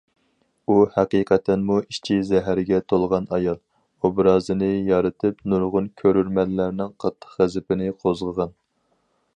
ئۇ ھەقىقەتەنمۇ ئىچى زەھەرگە تولغان ئايال ئوبرازىنى يارىتىپ نۇرغۇن كۆرۈرمەنلەرنىڭ قاتتىق غەزىپىنى قوزغىغان.